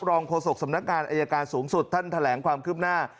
โฆษกสำนักงานอายการสูงสุดท่านแถลงความคืบหน้า